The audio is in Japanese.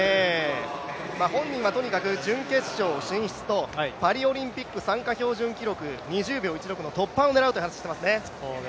本人はとにかく準決勝進出と、パリオリンピック、参加標準記録２０秒１６の突破を狙うという話をしていますね。